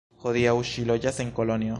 Hodiaŭ ŝi loĝas en Kolonjo.